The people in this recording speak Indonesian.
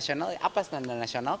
standar nasional apa standar nasional